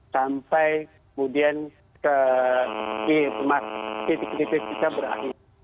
sampai kemudian ke titik krisis kita berakhir